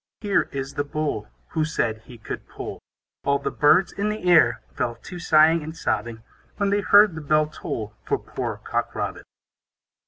Here is the Bull, Who said he could pull. All the birds in the air Fell to sighing and sobbing, When they heard the bell toll For poor Cock Robin.